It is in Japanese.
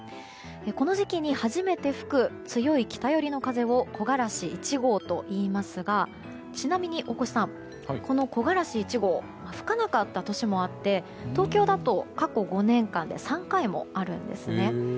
この時期に初めて吹く強い北寄りの風を木枯らし１号といいますがちなみに、大越さんこの木枯らし１号吹かなかった年もあって東京だと過去５年間で３回もあるんですね。